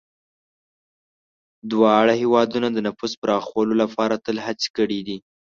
دواړه هېوادونه د نفوذ پراخولو لپاره تل هڅې کړي دي.